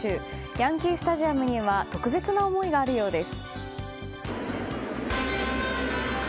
ヤンキースタジアムには特別な思いがあるようです。